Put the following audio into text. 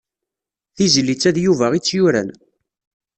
Tizlit-a d Yuba i tt-yuran.